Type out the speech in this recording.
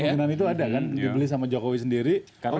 keinginan itu ada kan dibeli sama jokowi sendiri